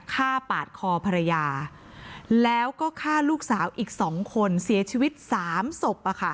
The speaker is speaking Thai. ฆ่าปาดคอภรรยาแล้วก็ฆ่าลูกสาวอีก๒คนเสียชีวิต๓ศพ